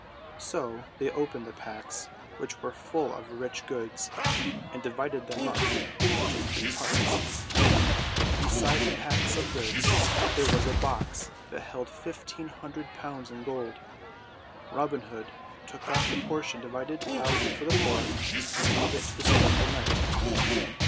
So they opened the packs, which were full of rich goods and divided them into three parts. Beside the packs of goods there was a box that held fifteen hundred pounds in gold. Robin Hood took up the portion divided out for the poor and gave it to the sorrowful knight.